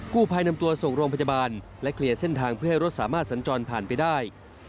ผู้ภัยนำตัวส่งโรงพยาบาลและเคลียร์เส้นทางเพื่อให้รถสามารถสัญจรผ่านไปได้